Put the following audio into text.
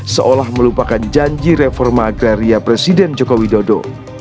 seolah melupakan janji reforma agraria presiden jokowi dodo